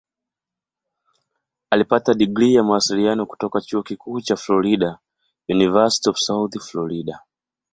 Alipata digrii ya Mawasiliano kutoka Chuo Kikuu cha Florida "University of South Florida".